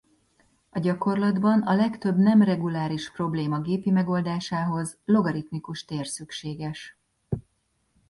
A gyakorlatban a legtöbb nem reguláris probléma gépi megoldásához logaritmikus tér szükséges.